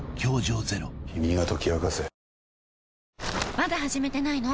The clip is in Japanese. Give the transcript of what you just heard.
まだ始めてないの？